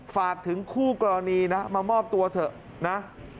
ฝากถึงคู่กรณีนะมามอบตัวเถอะนะ